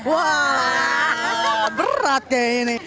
wah berat kayaknya ini